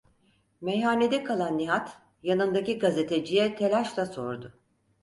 Meyhanede kalan Nihat, yanındaki gazeteciye telaşla sordu: